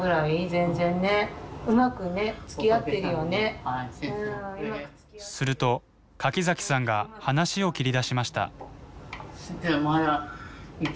すごいもうすると柿崎さんが話を切り出しました。